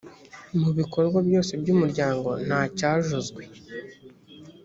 mu bikorwa byose by umuryango ntacyajozwe